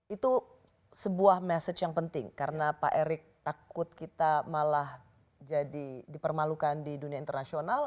itu sebuah message yang penting karena pak erick takut kita malah jadi dipermalukan di dunia internasional